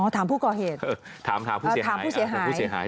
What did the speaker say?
อ๋อถามผู้ก่อเหตุถามผู้เสียหายถามผู้เสียหาย